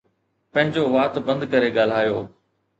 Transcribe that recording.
پنهنجو وات بند ڪري ڳالهايو.